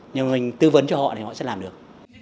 nhưng mà mình tư vấn cho họ thì họ sẽ làm được